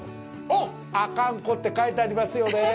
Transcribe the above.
おっ、阿寒湖って書いてありますよね。